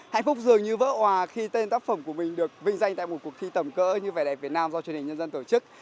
hạnh phúc dường như vỡ hòa khi tên tác phẩm của mình được vinh danh tại một cuộc thi tầm cỡ như vẻ đẹp việt nam do truyền hình nhân dân tổ chức